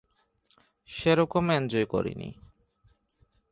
সেরকম এঞ্জয় করিনি।